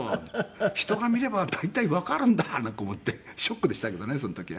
人が見れば大体わかるんだなんか思ってショックでしたけどねその時は。